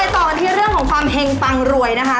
เดี๋ยวไปต่อกันที่เรื่องของความเฮ่งปังรวยนะคะ